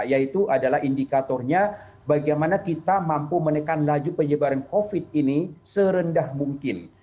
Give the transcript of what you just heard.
yaitu adalah indikatornya bagaimana kita mampu menekan laju penyebaran covid ini serendah mungkin